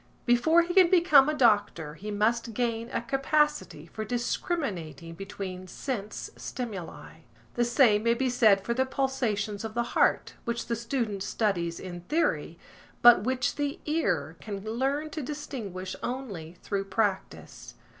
Before he can become a doctor, he must gain a capacity for discriminating between sense stimuli. The same may be said for the pulsations of the heart, which the student studies in theory, but which the ear can learn to distinguish only through practice.